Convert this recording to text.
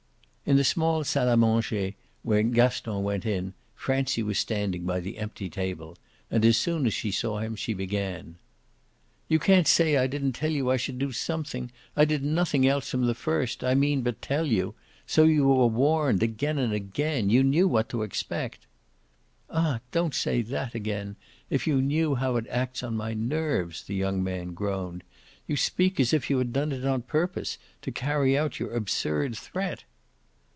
In the small salle a manger, when Gaston went in, Francie was standing by the empty table, and as soon as she saw him she began. "You can't say I didn't tell you I should do something. I did nothing else from the first I mean but tell you. So you were warned again and again. You knew what to expect." "Ah don't say THAT again; if you knew how it acts on my nerves!" the young man groaned. "You speak as if you had done it on purpose to carry out your absurd threat."